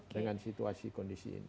dengan situasi kondisi ini